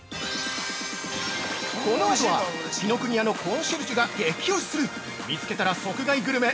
◆このあとは、紀ノ国屋のコンシェルジュが激推しする見つけたら即買いグルメ